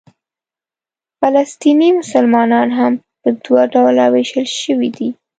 فلسطیني مسلمانان هم په دوه ډوله وېشل شوي دي.